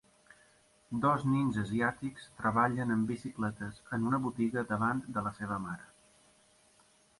Dos nens asiàtics treballen amb bicicletes en una botiga davant de la seva mare.